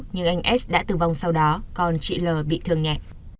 nhưng anh s đã tử vong sau đó con chị l bị thương nhẹ